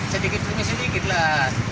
sedikit demi sedikit lah